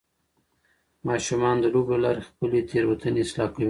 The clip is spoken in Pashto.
ماشومان د لوبو له لارې خپلې تیروتنې اصلاح کوي.